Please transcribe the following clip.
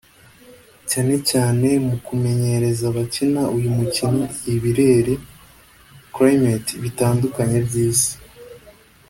cyane cyane mu kumenyereza abakina uyu mukino ibirere (climate) bitandukanye by’Isi